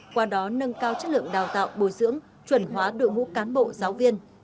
qua đó nâng cao chất lượng đào tạo bồi dưỡng chuẩn hóa đội ngũ cán bộ giáo viên